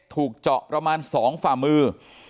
ถูกเจาะประมาณ๒ฝ่ามือ